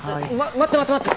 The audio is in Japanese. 待って待って待って。